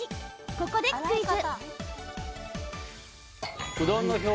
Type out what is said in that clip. ここでクイズ。